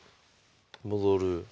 戻る。